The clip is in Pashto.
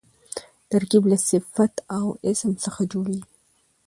ترکیب له صفت او اسم څخه جوړېږي.